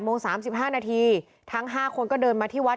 เมื่อวานแบงค์อยู่ไหนเมื่อวาน